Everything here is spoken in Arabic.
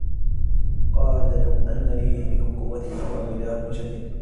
قال لو أن لي بكم قوة أو آوي إلى ركن شديد